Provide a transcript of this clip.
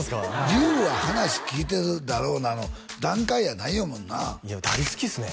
「隆は話聞いてるだろうな」の段階やないやもんないや大好きっすね